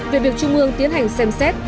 về việc trung ương tiến hành xem xét